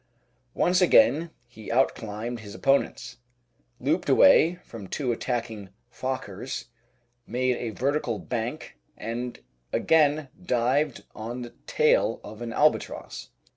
Once again he out climbed his opponents, looped away from two attacking Fokkers, made a vertical bank, and again dived on the tail of an Albatross.